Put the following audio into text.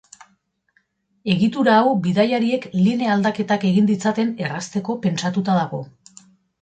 Egitura hau bidaiariek linea aldaketak egin ditzaten errazteko pentsatuta dago.